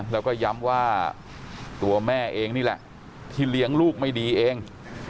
แล้วก็ย้ำว่าตัวแม่เองนี่แหละที่เลี้ยงลูกไม่ดีเอง